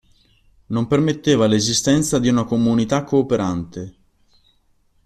Non permetteva l'esistenza di una comunità cooperante.